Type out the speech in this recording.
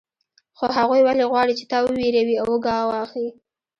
خو هغوی ولې غواړي چې تا وویروي او وګواښي